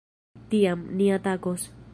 Tiam, ni atakos.